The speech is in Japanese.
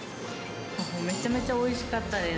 めちゃめちゃおいしかったです。